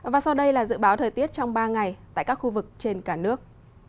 và sau đây là dự báo thời tiết trong ba ngày tại các khu vực trên cả nước